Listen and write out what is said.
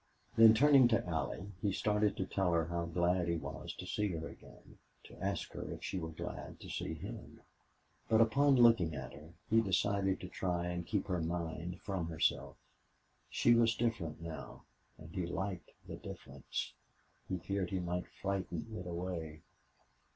Then turning to Allie, he started to tell her how glad he was to see her again, to ask her if she were glad to see him. But upon looking at her he decided to try and keep her mind from herself. She was different now and he liked the difference. He feared he might frighten it away.